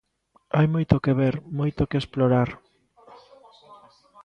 Hai moito que ver, moito que explorar.